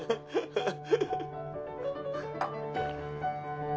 ハハハハ！